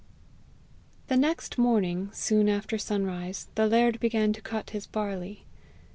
The next morning, soon after sunrise, the laird began to cut his barley.